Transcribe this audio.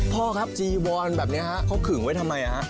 พ่อครับจีวอนแบบนี้ฮะเขาขึงไว้ทำไมฮะ